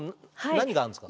何があるんですか？